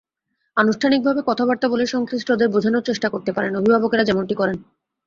অনানুষ্ঠানিকভাবে কথাবার্তা বলে সংশ্লিষ্টদের বোঝানোর চেষ্টা করতে পারেন, অভিভাবকেরা যেমনটি করেন।